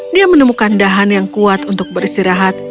dia menemukan dahan yang kuat untuk beristirahat